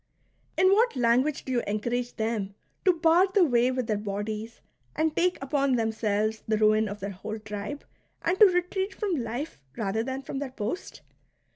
In what language do you en courage them to bar the way with their bodies and take upon themselves the ruin of their whole tribe, and to retreat from life rather than from their post